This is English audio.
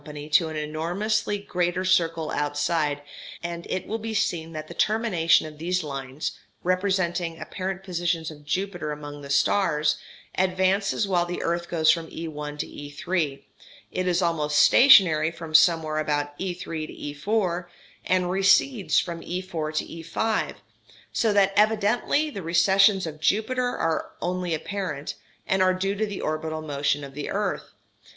to an enormously greater circle outside, and it will be seen that the termination of these lines, representing apparent positions of Jupiter among the stars, advances while the earth goes from E_1 to E_3; is almost stationary from somewhere about E_3 to E_4; and recedes from E_4 to E_5; so that evidently the recessions of Jupiter are only apparent, and are due to the orbital motion of the earth.